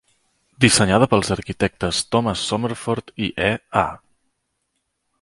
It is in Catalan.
Dissenyada pels arquitectes Thomas Somerford i E. A.